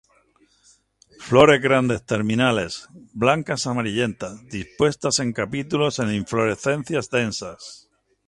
Flores grandes, terminales, blancas amarillentas, dispuestas en capítulos en inflorescencias densas.